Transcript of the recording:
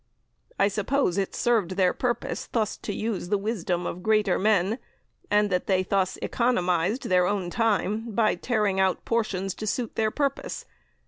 I suppose it served their purpose thus to use the wisdom of greater men and that they thus economised their own time by tearing out portions to suit their purpose.